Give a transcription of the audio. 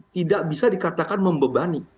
tidak bisa dikatakan membebani